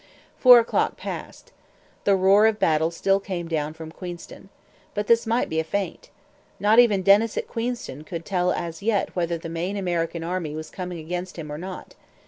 Four o'clock passed. The roar of battle still came down from Queenston. But this might be a feint. Not even Dennis at Queenston could tell as yet whether the main American army was coming against him or not.